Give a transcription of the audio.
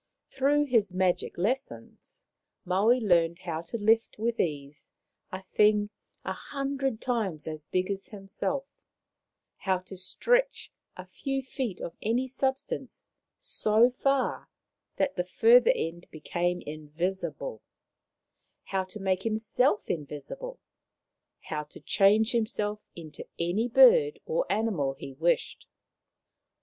Through his magic lessons Maui learned how to lift with ease a thing a hundred times as big as himself ; how to stretch a few feet of any substance so far that the further end became invisible ; how to make himself invisible ; how to change himself into any bird or animal he wished.